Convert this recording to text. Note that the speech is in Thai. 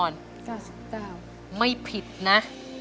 ไม่ผิดนะ